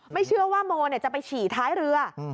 ไม่เชื่อว่าโมจะไปฉี่ท้ายเรือ